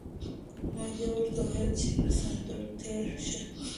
مور یې ورته ویل چې له سندرو تېر شه